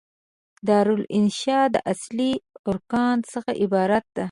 دارالانشأ د اصلي ارکانو څخه عبارت دي.